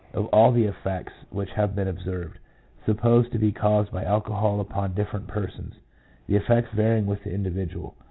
of all the effects which have been observed, supposed to be caused by alcohol upon different persons, the effects varying with the individual.